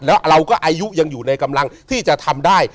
แล้วเราก็อายุยังอยู่ในกำลังที่จะทำได้